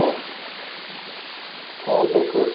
広告。